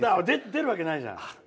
出るわけないじゃん！